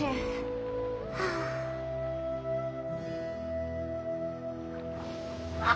はあ。